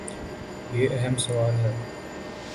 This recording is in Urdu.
یہ اہم سوال ہے۔